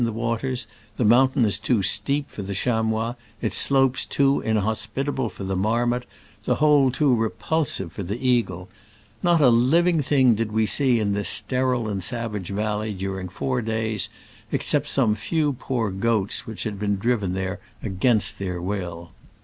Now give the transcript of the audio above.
Not a soul inhabits it : no birds are in the air, no fish in the waters : the mountain is too steep for the chamois, its slopes too inhos pitable for the marmot, the whole too repulsive for the eagle. Not a living thing did we see in this sterile and sav age valley during four days, except some few poor goats which had been driven there against their will.